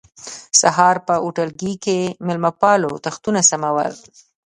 سهار په هوټلګي کې مېلمه پالو تختونه سمول.